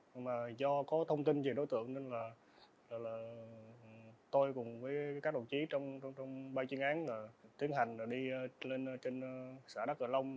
nhưng mà do có thông tin về đối tượng nên là tôi cùng với các đồng chí trong ba chuyên án là tiến hành là đi lên trên xã đắk cửa long